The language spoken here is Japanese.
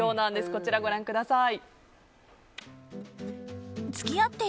こちら、ご覧ください。